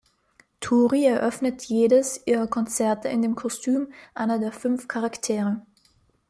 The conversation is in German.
Tori eröffnet jedes ihrer Konzerte in dem Kostüm einer der fünf Charaktere.